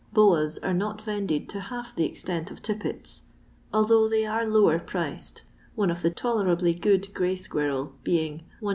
Boas are not vended to half the extent of tippets, although they are lower priced, one of tolerably good gray squirrel being Is.